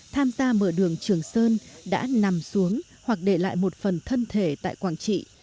tham gia mở đường trường sơn đã nằm xuống hoặc để lại một phần thân thể tại quảng trị